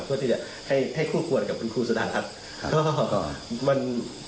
เพื่อที่จะให้คู่กวนกับคุณครูสุดาลรัฐ